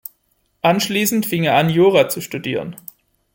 Anschließend fing er an Jura zu studieren.